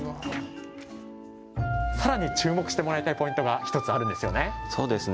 さらに注目してもらいたいポイントがそうですね。